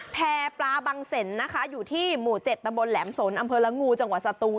แพร่ปลาบังเซ็นนะคะอยู่ที่หมู่๗ตำบลแหลมสนอำเภอละงูจังหวัดสตูน